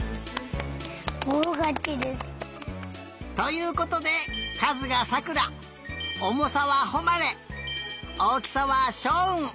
ボロがちです！ということでかずがさくらおもさはほまれおおきさはしょううん。